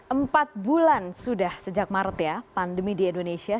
empat bulan sudah sejak maret ya pandemi di indonesia